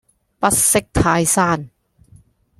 不識泰山